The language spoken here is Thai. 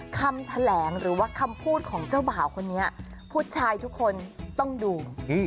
คำแถลงหรือว่าคำพูดของเจ้าบ่าวคนนี้ผู้ชายทุกคนต้องดู